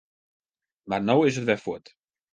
Mar no is it wer fuort.